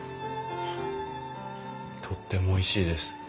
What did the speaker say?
とってもおいしいです。